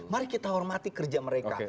mari kita hormati kerja mereka